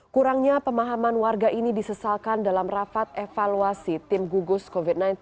kurangnya pemahaman warga ini disesalkan dalam rapat evaluasi tim gugus covid sembilan belas